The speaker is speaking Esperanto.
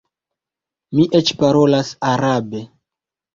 Mi eĉ parolas arabe.